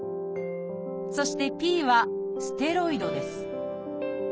そして「Ｐ」はステロイドです。